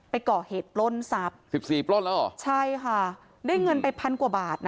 ไปก่อเหตุปล้นทรัพย์สิบสี่ปล้นแล้วเหรอใช่ค่ะได้เงินไปพันกว่าบาทนะ